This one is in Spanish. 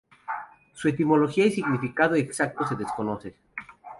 Su etimología y significado exacto se desconoce.